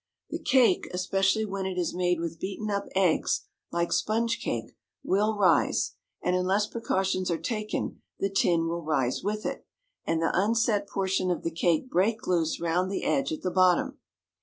The cake, especially when it is made with beaten up eggs, like sponge cake, will rise, and unless precautions are taken the tin will rise with it, and the unset portion of the cake break loose round the edge at the bottom.